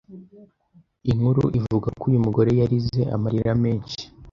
Inkuru ivuga ko uyu mugore yarize amarira menshi